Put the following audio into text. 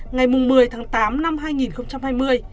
ngày một mươi tháng tám năm hai nghìn hai mươi